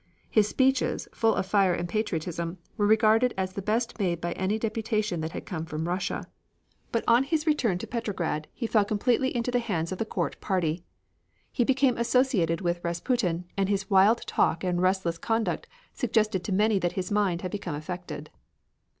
His speeches, full of fire and patriotism, were regarded as the best made by any deputation that had come from Russia. But on his return to Petrograd he fell completely into the hands of the Court party. He became associated with Rasputin, and his wild talk and restless conduct suggested to many that his mind had become affected.